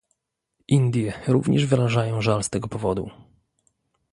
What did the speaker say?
Indie również wyrażają żal z tego powodu